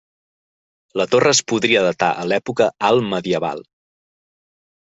La torre es podria datar a l'època alt-medieval.